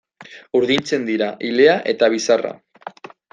Urdintzen dira ilea eta bizarra.